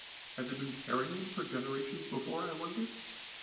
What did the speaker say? Had they been paring them for generations before, I wonder?